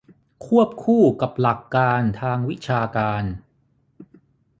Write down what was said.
ควบคู่กับหลักการทางวิชาการ